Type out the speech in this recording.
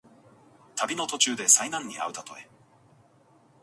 旅の途中で災難にあうたとえ。